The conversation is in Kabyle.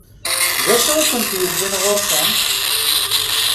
D acu i kent-yewwin ɣur-sent?